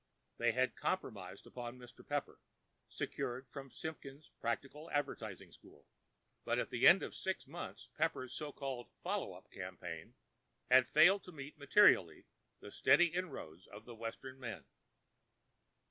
They had compromised upon Mr. Pepper, secured from Simpkins' Practical Advertising School. But at the end of six months, Pepper's so called "follow up campaign" had failed to meet materially the steady inroads of the western men.